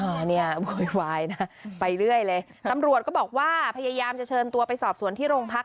อันนี้โวยวายนะไปเรื่อยเลยตำรวจก็บอกว่าพยายามจะเชิญตัวไปสอบสวนที่โรงพัก